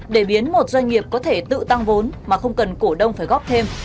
để biến một doanh nghiệp có thể tự tăng vốn mà không cần cổ đông phải góp thêm